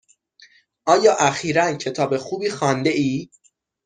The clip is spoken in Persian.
آیا اخیرا کتاب خوبی خوانده ای؟